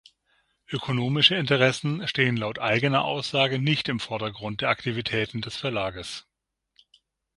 Ökonomische Interessen stehen laut eigener Aussage nicht im Vordergrund der Aktivitäten des Verlages.